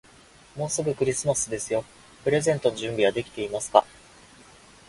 もうすぐクリスマスですよ。プレゼントの準備はできていますか。